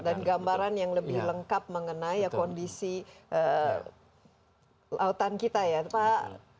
dan gambaran yang lebih lengkap mengenai kondisi lautan kita ya pak